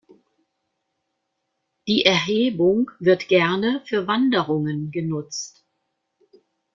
Die Erhebung wird gerne für Wanderungen genutzt.